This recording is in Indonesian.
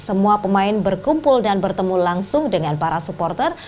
semua pemain berkumpul dan bertemu langsung dengan para supporter